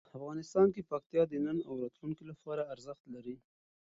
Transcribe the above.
افغانستان کې پکتیا د نن او راتلونکي لپاره ارزښت لري.